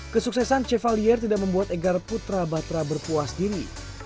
kesuksesan chevalier tidak membuat egar putra batra berpuas diri